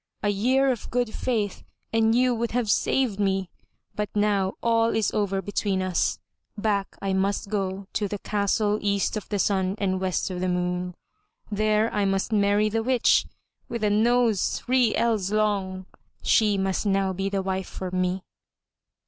A year of good faith and you would have saved me, but now all is over between us. Back I must go to the castle EAST O' THE SUN AND WEST O' THE MOON. There I must marry the witch with a nose three ells long. She must now be the wife for me.